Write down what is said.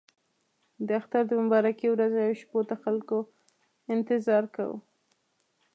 د اختر د مبارکو ورځو او شپو ته خلکو انتظار کاوه.